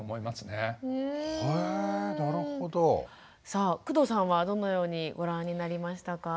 さあ工藤さんはどのようにご覧になりましたか？